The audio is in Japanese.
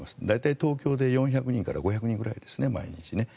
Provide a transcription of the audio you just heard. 大体、東京で４００人から５００人くらいですね、毎日。